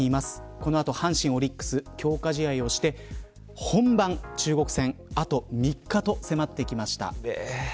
この後、阪神、オリックス強化試合をして本番の中国戦あと３日と迫ってきました。